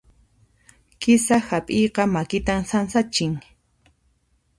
Kisa hap'iyqa makitan sansachin.